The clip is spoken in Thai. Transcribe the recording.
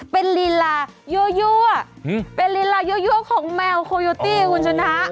เป็นลีลายั่วเป็นลีลายั่วของแมวโคโยตี้คุณชนะ